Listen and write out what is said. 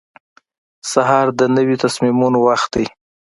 سهار د نوي تصمیمونو وخت دی.